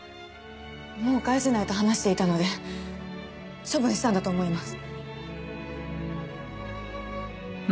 もう返せないと話していたので処分したんだと思います。